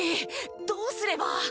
どうすれば。